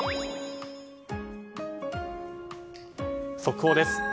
速報です。